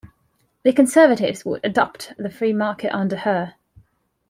The Conservatives would adopt the free market under her.